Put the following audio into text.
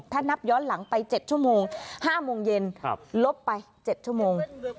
ถ้านับย้อนหลังไป๗ชั่วโมง๕โมงเย็นลบไป๗ชั่วโมง